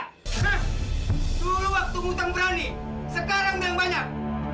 dulu waktu hutang berani sekarang yang banyak